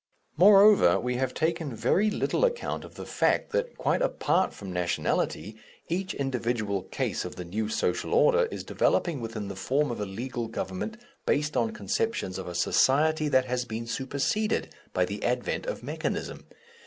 Moreover, we have taken very little account of the fact that, quite apart from nationality, each individual case of the new social order is developing within the form of a legal government based on conceptions of a society that has been superseded by the advent of mechanism.